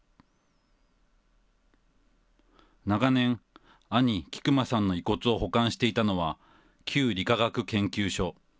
長年、兄、菊間さんの遺骨を保管していたのは、旧理化学研究所。